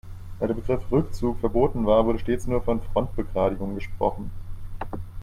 Weil der Begriff "Rückzug" verboten war, wurde stets nur von Frontbegradigung gesprochen.